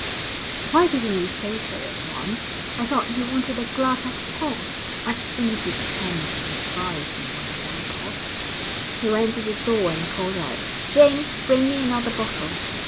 'Why didn't you say so at once? I thought you wanted a glass of port. I'd sooner give ten men advice than one man port.' He went to the door and called out, 'Jane, bring me another bottle.'